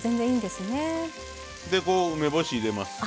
でこう梅干し入れます。